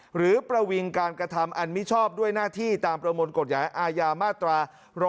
หรือประวิงการกระทำอันมิชอบด้วยหน้าที่ตามประมวลกฎหมายอาญามาตรา๑๕